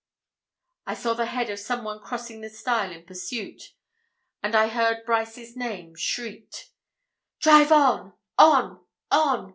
I saw the head of some one crossing the stile in pursuit, and I heard Brice's name shrieked. 'Drive on on on!'